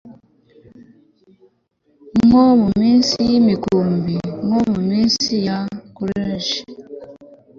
Nko muminsi yimikumbi nko muminsi ya eclogues